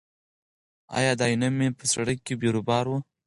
ایا د عینومېنې په سړک کې بیروبار و؟